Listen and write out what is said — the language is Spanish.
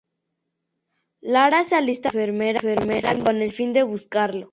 Lara se alista como enfermera con el fin de buscarlo.